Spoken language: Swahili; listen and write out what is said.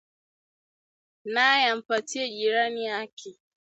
naye ampatie jirani yake